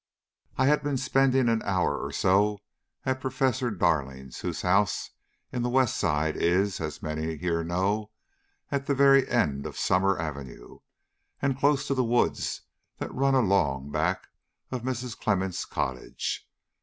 "I had been spending an hour or so at Professor Darling's, whose house in West Side is, as many here know, at the very end of Summer Avenue, and close to the woods that run along back of Mrs. Clemmens' cottage.